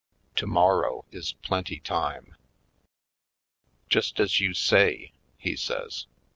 Tomor row is plenty time." "Just as you say," he says.